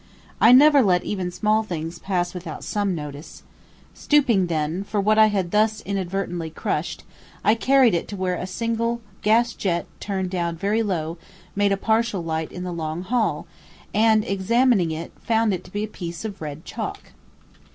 I never let even small things pass without some notice. Stooping, then, for what I had thus inadvertently crushed, I carried it to where a single gas jet turned down very low, made a partial light in the long hall, and examining it, found it to be a piece of red chalk.